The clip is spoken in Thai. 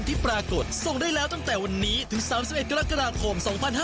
ตั้งแต่วันนี้ถึง๓๑กรกฎาคม๒๕๖๖